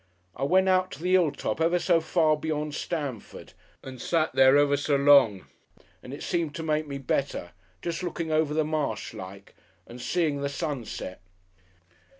I went out to the 'illtop ever so far beyond Stanford, and sat there ever so long, and it seemed to make me better. Just looking over the marsh like, and seeing the sun set."...